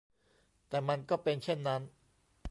แต่มันก็เป็นเช่นนั้น